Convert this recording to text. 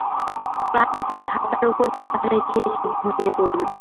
ক্লান্তিতে খাতার ওপরই মাথা রেখে সে ঘুমিয়ে পড়ল।